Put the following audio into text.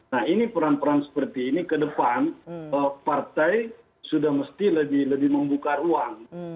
nah ini peran peran seperti ini ke depan partai sudah mesti lebih membuka ruang